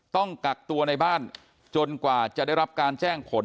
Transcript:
ต้องกักตัวในบ้านจนกว่าจะได้รับการแจ้งผล